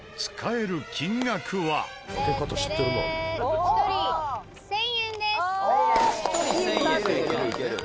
１人１０００円か。